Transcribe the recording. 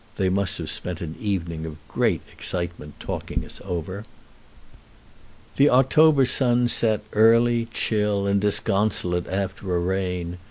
They must have spent an evening of great excitement talking us over. The October sun set early, chill, and disconsolate after a rain.